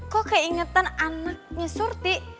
kok keingetan anaknya surti